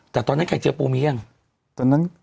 แต่ตอนนั้นไข่เจ๋อปูมียัง